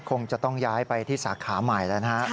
คงจะต้องย้ายไปที่สาขาใหม่นะครับ